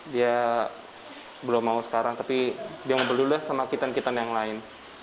dia belum mau sekarang tapi dia ngobrol dulu sama kitan kitan yang lain